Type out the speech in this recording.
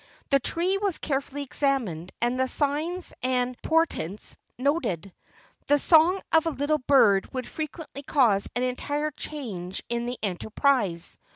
The tree was carefully examined and the signs and por LEGENDARY CANOE MAKING 33 tents noted. The song of a little bird would frequently cause an entire change in the enter¬ prise.